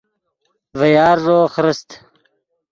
ڤے یارݱو خرست